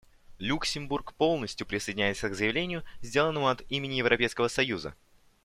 Люксембург полностью присоединяется к заявлению, сделанному от имени Европейского союза.